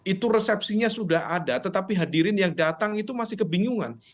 itu resepsinya sudah ada tetapi hadirin yang datang itu masih kebingungan